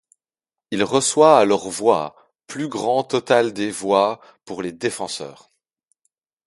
Il reçoit alors voix, plus grand total des voix pour les défenseurs.